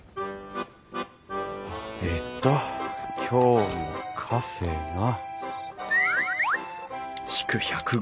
えっと今日のカフェが。